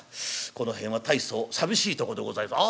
この辺は大層寂しいとこでございますね」。